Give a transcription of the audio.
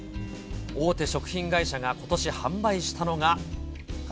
大手食品会社がことし販売したのが。